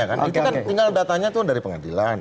itu kan tinggal datanya dari pengadilan